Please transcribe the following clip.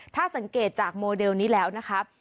ถ้าสังเกตจากโมเดลนี้แล้วนะครับ